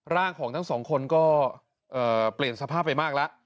ร่างของทั้งสองคนก็เปลี่ยนสภาพไปมากแล้ว